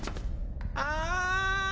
ああ！